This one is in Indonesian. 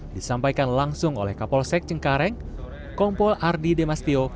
disampaikan langsung oleh kapolsek cengkareng kompol ardi demastio